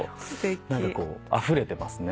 何かこうあふれてますね。